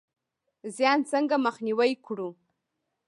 زیان څنګه مخنیوی کړو؟